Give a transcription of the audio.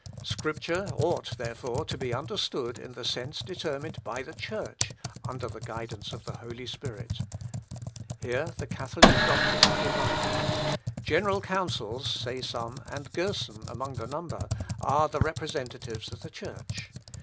Scripture ought, therefore, to be understood in the sense determined by the Church, under the guidance of the Holy Spirit. Here the Catholic doctors are divided. General councils, say some, and Gerson among the number, are the representatives of the Church.